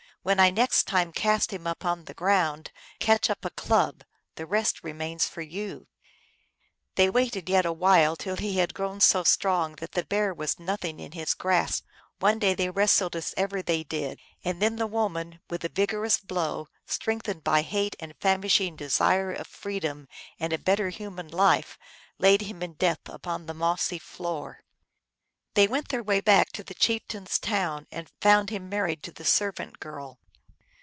When I next time cast him upon the ground, catch up a club ; the rest remains for you !" They waited yet a while till he had grown so strong that the Bear was nothing in his grasp. One day they wrestled as they ever did, and then the woman, with a vigorous blow, strengthened by hate and famishing desire of freedom and a better human life, laid him in death upon the mossy floor. They went their way back to the chieftain s town, and found him married to the servant girl.